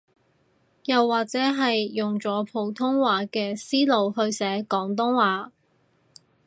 又或者係用咗普通話嘅思路去寫廣東話